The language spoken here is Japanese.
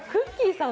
さん。